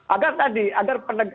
agar tadi agar